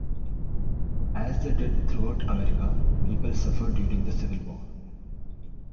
As they did throughout America, people suffered during the Civil War.